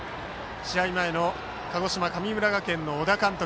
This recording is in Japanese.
試合前の鹿児島・神村学園の小田監督。